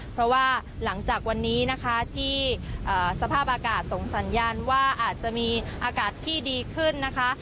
เพราะว่าหลังจากวันนี้นะคะที่สภาพอากาศส่งสัญญาณว่าอาจจะมีอากาศที่ดีขึ้นนะคะ